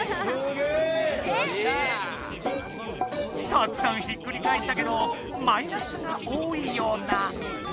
たくさんひっくり返したけどマイナスが多いような。